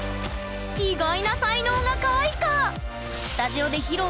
意外な才能が開花！